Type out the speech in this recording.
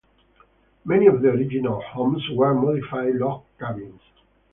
Many of the original homes were modified log cabins.